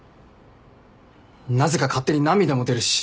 なぜか勝手に涙も出るし。